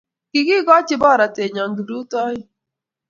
Ki kigoochi porotennyo kiprutoin.